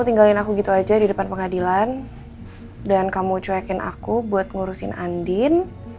tinggalin aku gitu aja di depan pengadilan dan kamu cuekin aku buat ngurusin andin